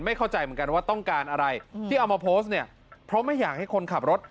เข้าใจเหมือนกันว่าต้องการอะไรที่เอามาโพสต์เนี่ยเพราะไม่อยากให้คนขับรถ